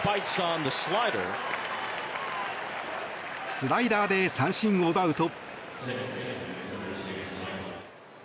スライダーで三振を奪うと。